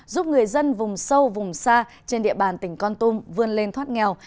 giúp người dân vùng sâu vùng xa trên địa bàn tỉnh con tum vươn lên thoát nghèo